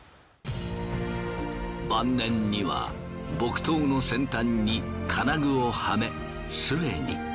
晩年には木刀の先端に金具をはめ杖に。